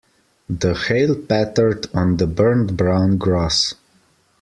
The hail pattered on the burnt brown grass.